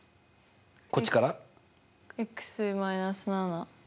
こっちから？